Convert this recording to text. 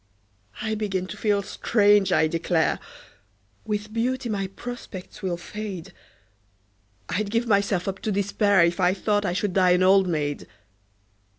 I begin to feel strange, I declare! With beauty my prospects will fade I'd give myself up to despair If I thought I should die an old maid!